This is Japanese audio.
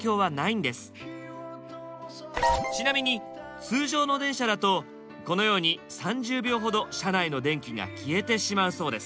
ちなみに通常の電車だとこのように３０秒ほど車内の電気が消えてしまうそうです。